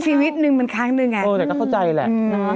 ชีวิตหนึ่งเหมือนครั้งหนึ่งแต่ก็เข้าใจแหละ